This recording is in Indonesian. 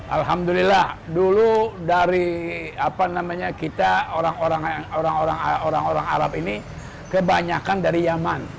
alhamdulillah dulu dari apa namanya kita orang orang arab ini kebanyakan dari yaman